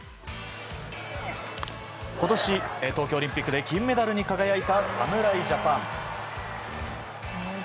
今年、東京オリンピックで金メダルに輝いた侍ジャパン。